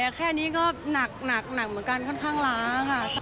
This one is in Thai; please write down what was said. แค่นี้ก็หนักเหมือนกันค่อนข้างล้าค่ะ